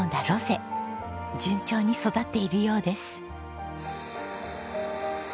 順調に育っているそうです。